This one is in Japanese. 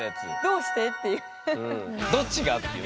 どっちがっていう。